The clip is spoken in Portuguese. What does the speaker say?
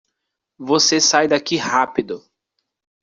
Você sai daqui rápido.